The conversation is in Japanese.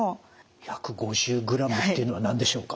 １５０ｇっていうのは何でしょうか？